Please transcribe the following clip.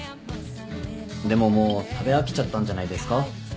でももう食べ飽きちゃったんじゃないですか？